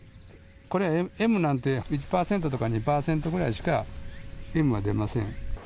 これ、Ｍなんて１％から２％ぐらいしかＭは出ません。